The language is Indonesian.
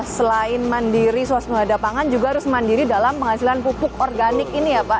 selain mandiri suasembada pangan juga harus mandiri dalam penghasilan pupuk organik ini ya pak